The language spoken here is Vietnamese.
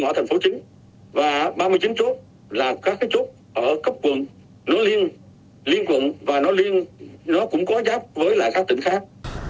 nó liên quận và nó cũng có giáp với lại các tỉnh khác